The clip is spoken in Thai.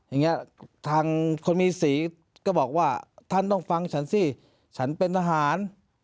อย่างนี้ทางคนมีสีก็บอกว่าท่านต้องฟังฉันสิฉันเป็นทหาร